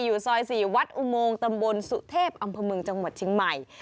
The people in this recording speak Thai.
อยู่ซอย๔วัดอุโมงตำบลสุเทพอำเภอเมืองจังหวัดเชียงใหม่